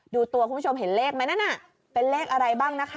ดูตัวคุณผู้ชมเห็นเลขไหมนั่นน่ะเป็นเลขอะไรบ้างนะคะ